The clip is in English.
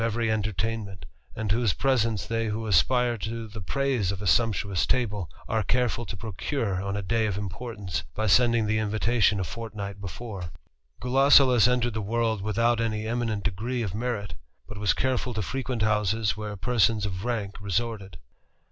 rery entertainment, and whose presence they who aspire to le praise of a sumptuous table are careful to procure on a ay of importance, by sending the invitation a fortnight efore. Gulosulus entered the world without any eminent degree f merit ; but was careful to frequent houses where persons f rank resorted.